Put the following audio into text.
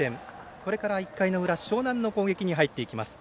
これから１回の裏樟南の攻撃に入っていきます。